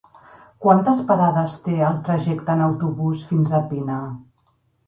Quantes parades té el trajecte en autobús fins a Pina?